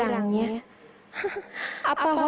kamu juga harus tarik perhatian letsfair